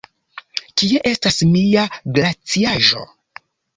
Kie estas mia glaciaĵo?